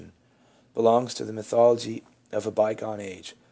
361 tion, — belongs to the mythology of a by gone age.